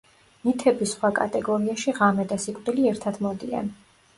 მითების სხვა კატეგორიაში ღამე და სიკვდილი ერთად მოდიან.